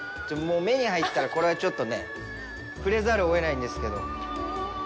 目に入ったら、これはちょっとね触れざるを得ないんですけど。